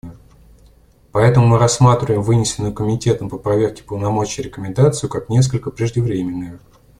Поэтому мы рассматриваем вынесенную Комитетом по проверке полномочий рекомендацию как несколько преждевременную.